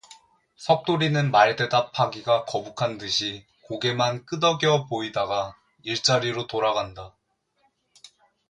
석돌이는 말대답하기가 거북한 듯이 고개만 끄덕여 보이다가 일자리로 돌아간다.